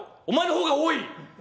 お前の方が多い。